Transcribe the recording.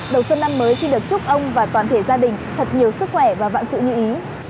đầu xuân năm mới xin được chúc ông và toàn thể gia đình thật nhiều sức khỏe và vạn sự như ý